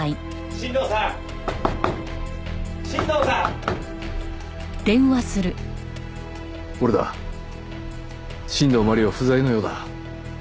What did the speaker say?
新道真理は不在のようだ。